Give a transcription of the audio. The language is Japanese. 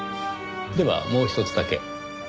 ではもうひとつだけ。